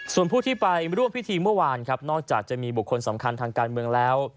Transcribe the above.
ส่วนผู้ที่ไปร่วมพิธีเมื่อวานครับนอกจากจะมีบุคคลสำคัญทางการเมืองแล้ว